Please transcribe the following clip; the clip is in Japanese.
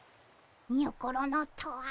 にょころのとは。